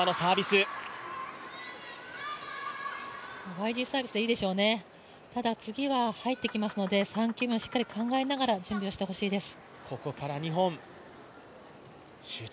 ＹＧサービスがいいでしょうね、ただ次は入ってくるでしょうから３球目をしっかり考えながら準備をしてほしいです。